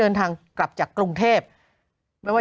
โหยวายโหยวายโหยวายโหยวาย